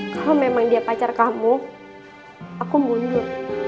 kalau memang dia pacar kamu aku bunuh dia